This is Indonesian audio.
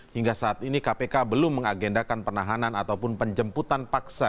hingga saat ini kpk belum mengagendakan penahanan ataupun penjemputan paksa